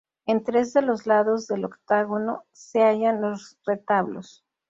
En tres de los lados del octógono se hallan los retablos.